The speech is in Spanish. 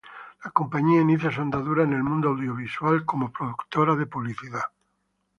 La compañía inicia su andadura en el mundo audiovisual como productora de publicidad.